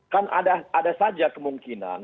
kan ada saja kemungkinan